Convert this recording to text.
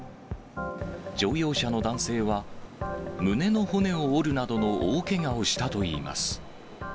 乗用車の男性は、胸の骨を折るなどの大けがをしたといいます。